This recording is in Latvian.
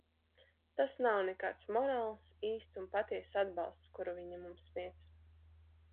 Tas nav nekāds morāls, īsts un patiess atbalsts, kuru viņi mums sniedz.